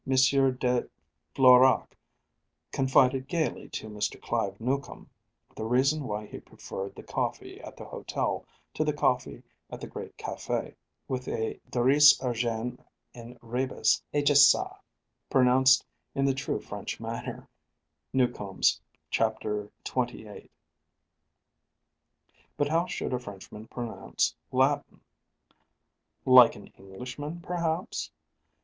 de Florac confided gayly to Mr. Clive Newcome the reason why he preferred the coffee at the hotel to the coffee at the great café "with a duris urgéns in rebŇęs √©gestsńĀs! pronounced in the true French manner" (Newcomes, chapter xxviii.). But how should a Frenchman pronounce Latin? like an Englishman, perhaps?